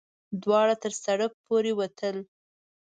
دواړه تر سړک پورې وتل.